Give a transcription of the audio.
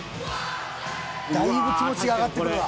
だいぶ気持ちが上がってくるわ。